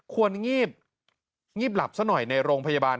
ควรงีบหลับสักหน่อยในโรงพยาบาล